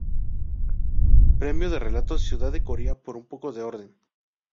Premio de relatos Ciudad de Coria por Un poco de orden.